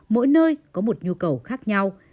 mỗi nơi có một nhu cầu khác nhau